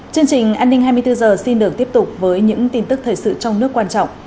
chương trình an ninh hai mươi bốn h xin được tiếp tục với những tin tức thời sự trong nước quan trọng